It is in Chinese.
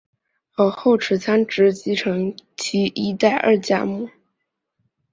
而后仓持直吉继承住吉一家二代目。